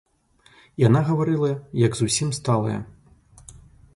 Яна гаварыла, як зусім сталая.